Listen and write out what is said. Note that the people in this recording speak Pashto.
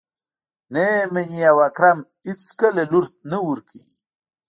نه يې مني او اکرم اېڅکله لور نه ورکوي.